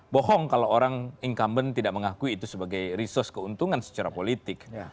bohong kalau orang incumbent tidak mengakui itu sebagai resource keuntungan secara politik